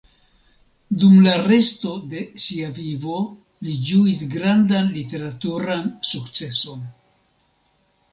Dum la resto de sia vivo li ĝuis grandan literaturan sukceson.